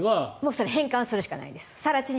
それは返還するしかないです。